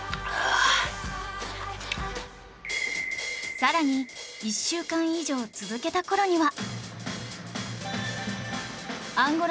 さらに１週間以上続けた頃には